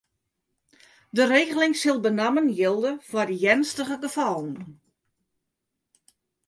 De regeling sil benammen jilde foar earnstige gefallen.